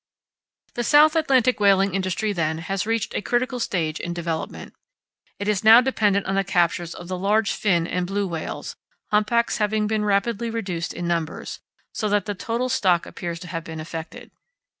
The South Atlantic whaling industry, then, has reached a critical stage in development. It is now dependent on the captures of the large fin and blue whales, humpbacks having been rapidly reduced in numbers, so that the total stock appears to have been affected.